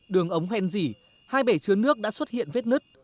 đường ống hoen dỉ hai bể chứa nước đã xuất hiện vết nứt